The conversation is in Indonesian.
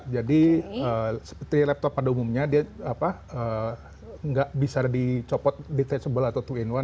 jadi seperti laptop pada umumnya dia nggak bisa dicopot detachable atau dua in satu